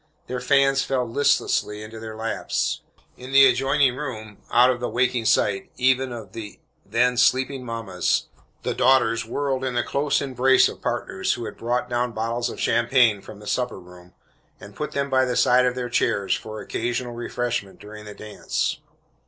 Their fans fell listless into their laps. In the adjoining room, out of the waking sight, even, of the then sleeping mamas, the daughters whirled in the close embrace of partners who had brought down bottles of champagne from the supper room, and put them by the side of their chairs for occasional refreshment during the dance.